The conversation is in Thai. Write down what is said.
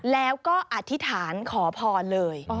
แล้วก็อธิษฐานขอพรเลย